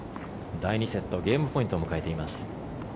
第２セットゲームポイントを迎えています。